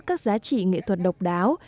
các giá trị nghệ thuật độc đáo